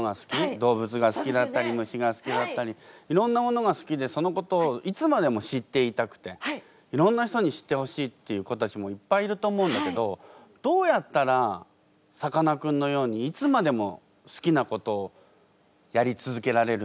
動物が好きだったり虫が好きだったりいろんなものが好きでそのことをいつまでも知っていたくていろんな人に知ってほしいっていう子たちもいっぱいいると思うんだけどどうやったらさかなクンのようにいつまでも好きなことをやり続けられるんだろう？